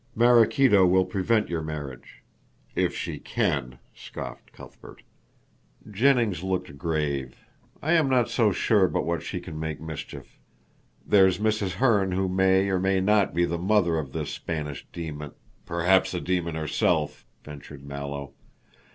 "Maraquito will prevent your marriage." "If she can," scoffed Cuthbert. Jennings looked grave. "I am not so sure but what she can make mischief. There's Mrs. Herne who may or may not be the mother of this Spanish demon " "Perhaps the demon herself," ventured Mallow.